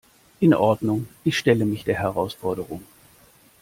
In Ordnung, ich stelle mich der Herausforderung.